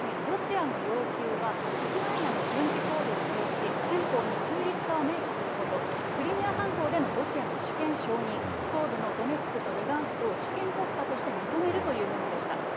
ロシアの要求は、ウクライナの軍事行動停止、憲法に中立化を明記すること、クリミア半島でのロシアの主権承認、東部のドネツクとルガンスクを主権国家として認めるというものでした。